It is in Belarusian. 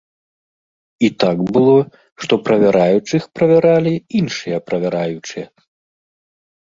І так было, што правяраючых правяралі іншыя правяраючыя.